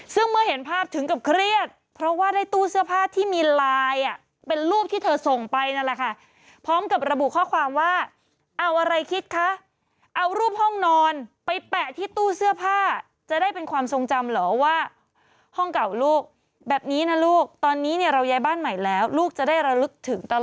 ซึ่งเมื่อเห็นภาพถึงกับเครียดเพราะว่าได้ตู้เสื้อผ้าที่มีลายอ่ะเป็นรูปที่เธอส่งไปนั่นแหละค่ะพร้อมกับระบุข้อความว่าเอาอะไรคิดคะเอารูปห้องนอนไปแปะที่ตู้เสื้อผ้าจะได้เป็นความทรงจำเหรอว่าห้องเก่าลูกแบบนี้นะลูกตอนนี้เนี่ยเราย้ายบ้านใหม่แล้วลูกจะได้ระลึกถึงต